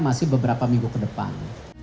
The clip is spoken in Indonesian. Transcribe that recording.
masih beberapa minggu ke depan